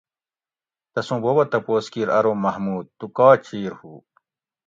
تسوں بوبہ تپوس کیر ارو محمود تو کا چیر ہوُ